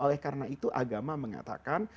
oleh karena itu agama mengatakan